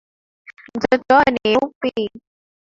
Mtoto wao ni yupi?